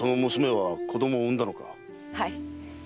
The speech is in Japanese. はい。